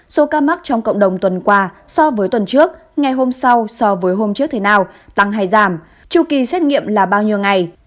số ca mắc trong cộng đồng tuần qua so với tuần trước ngày hôm sau so với hôm trước thế nào tăng hay giảm tru kỳ xét nghiệm là bao nhiêu ngày